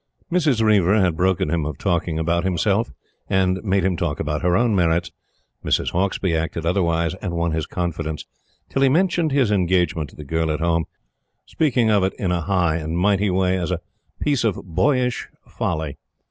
Mrs. Reiver had broken him of talking about himself, and made him talk about her own merits. Mrs. Hauksbee acted otherwise, and won his confidence, till he mentioned his engagement to the girl at Home, speaking of it in a high and mighty way as a "piece of boyish folly."